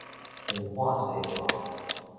斷半紗縒